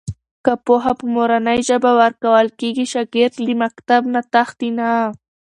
که پوهه په مورنۍ ژبه ورکول کېږي، شاګرد له مکتب نه تښتي نه.